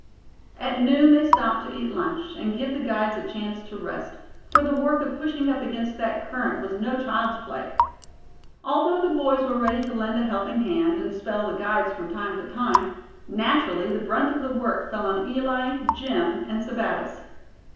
At noon they stopped to eat lunch, and give the guides a chance to rest, for the work of pushing up against that current was no child's play. Although the boys were ready to lend a helping hand, and "spell" the guides from time to time, naturally the brunt of the work fell on Eli, Jim and Sebattis.